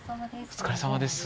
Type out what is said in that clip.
お疲れさまです。